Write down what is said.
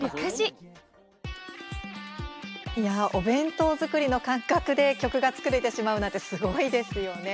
お弁当作りの感覚で曲が作れてしまうのはすごいですよね。